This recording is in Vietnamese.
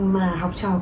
mà học trò của bà